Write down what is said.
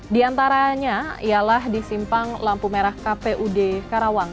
di antaranya ialah disimpang lampu merah kpud karawang